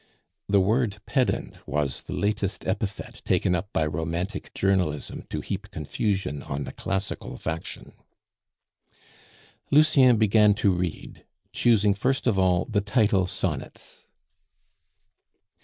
The word "pedant" was the latest epithet taken up by Romantic journalism to heap confusion on the Classical faction. Lucien began to read, choosing first of all the title sonnets.